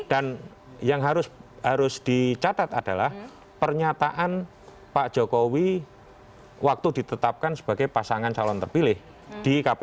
dan yang harus dicatat adalah pernyataan pak jokowi waktu ditetapkan sebagai pasangan calon terpilih di kpu